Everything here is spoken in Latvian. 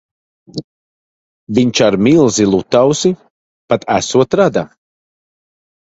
Viņš ar milzi Lutausi pat esot rada.